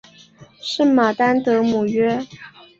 圣马丹德姆约。